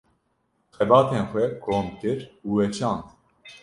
Xebatên xwe kom kir û weşand.